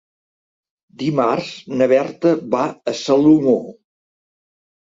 Dimarts na Berta va a Salomó.